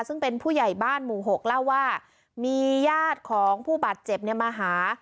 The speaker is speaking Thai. ซึ่งเป็นผู้ใหญ่บ้านหมู่๖เล่าว่ามีญาติของผู้บาดเจ็บเนี่ยมาหา